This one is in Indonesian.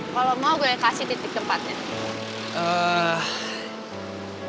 kalau mau gue kasih titik tempatnya